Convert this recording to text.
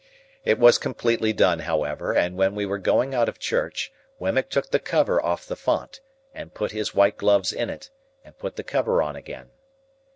It was completely done, however, and when we were going out of church Wemmick took the cover off the font, and put his white gloves in it, and put the cover on again.